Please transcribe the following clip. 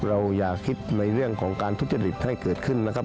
อย่าคิดในเรื่องของการทุจริตให้เกิดขึ้นนะครับ